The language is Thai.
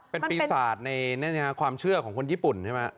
เป็นปีศาจในความเชื่อของคนญี่ปุ่นใช่ไหม